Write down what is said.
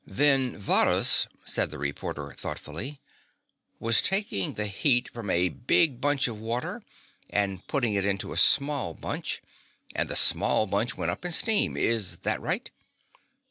"Then Varrhus," said the reporter thoughtfully, "was taking the heat from a big bunch of water and putting it into a small bunch, and the small bunch went up in steam. Is that right?"